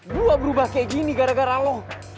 gue berubah kayak gini gara gara lo